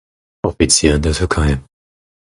Offizier in der Türkei.